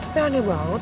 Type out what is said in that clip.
tapi aneh banget